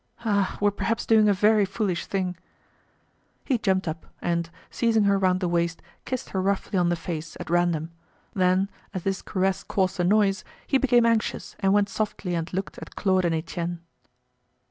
Ah! we're perhaps doing a very foolish thing." He jumped up, and, seizing her round the waist, kissed her roughly on the face, at random. Then, as this caress caused a noise, he became anxious, and went softly and looked at Claude and Etienne.